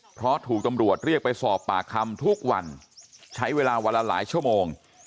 เพราะถูกตำรวจเรียกไปสอบปากคำทุกวันใช้เวลาวันละหลายชั่วโมง